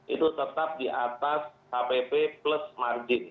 itu tetap di atas hpp plus margin